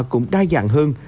cũng đa dạng hơn